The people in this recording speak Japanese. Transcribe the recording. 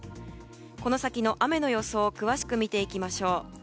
この先の雨の予想を詳しく見ていきましょう。